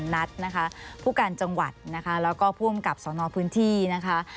นัดนะคะผู้การจังหวัดนะคะแล้วก็ผู้อำกับสนพื้นที่นะคะ